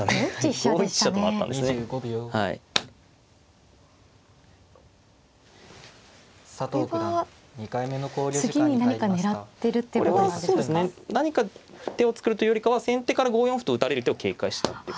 そうですね何か手を作るというよりかは先手から５四歩と打たれる手を警戒したってことですね。